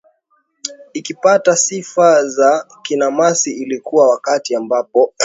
ikipata sifa za kinamasi Ilikuwa wakati ambapo